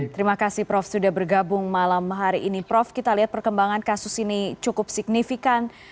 terima kasih prof sudah bergabung malam hari ini prof kita lihat perkembangan kasus ini cukup signifikan